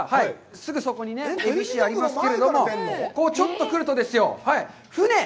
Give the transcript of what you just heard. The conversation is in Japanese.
すぐそこにね、ＡＢＣがありますけども、ちょっと来るとですよ、船。